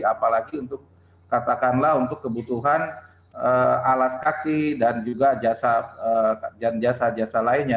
apalagi untuk katakanlah untuk kebutuhan alas kaki dan juga jasa jasa lainnya